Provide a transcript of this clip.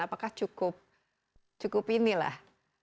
apakah cukup ini lah